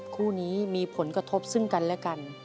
คู่นี้มีผลกระทบซึ่งกันและกัน